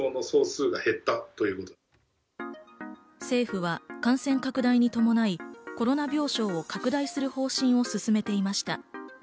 政府は感染拡大に伴いコロナ病床を拡大する方針を進めていました。